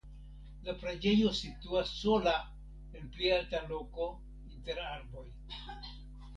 La preĝejo situas sola en pli alta loko inter arboj.